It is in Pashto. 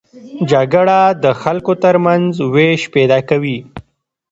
جګړه د خلکو تر منځ وېش پیدا کوي